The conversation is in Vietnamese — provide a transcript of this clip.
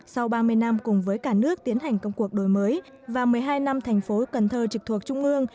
sau ba mươi năm cùng với cả nước tiến hành công cuộc đổi mới và một mươi hai năm thành phố cần thơ trực thuộc trung ương